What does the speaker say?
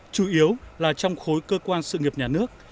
chủ yếu là trong khối cơ quan sự nghiệp nhà nước